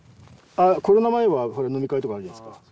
コロナ前はほら飲み会とかあるじゃないですか。